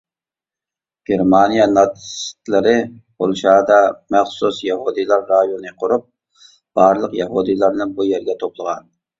گېرمانىيە ناتسىستلىرى پولشادا مەخسۇس يەھۇدىيلار رايونى قۇرۇپ، بارلىق يەھۇدىيلارنى بۇ يەرگە توپلىغان.